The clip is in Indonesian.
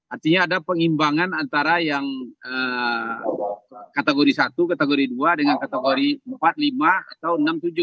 artinya ada pengimbangan antara yang kategori satu kategori dua dengan kategori empat puluh lima atau enam puluh tujuh